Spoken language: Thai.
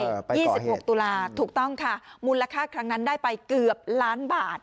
ยี่สิบหกตุลาถูกต้องค่ะมูลค่าครั้งนั้นได้ไปเกือบล้านบาท